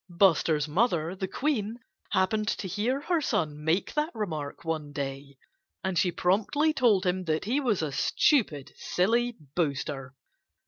Buster's mother, the Queen, happened to hear her son make that remark one day. And she promptly told him that he was a stupid, silly boaster.